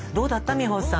美穂さん。